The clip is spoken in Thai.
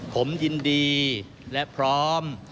ผมยินดีและพร้อม